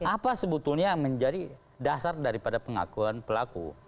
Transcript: apa sebetulnya yang menjadi dasar daripada pengakuan pelaku